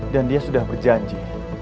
dan dia sudah berjanji